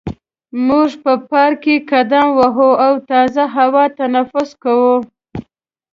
موږ په پارک کې قدم وهو او تازه هوا تنفس کوو.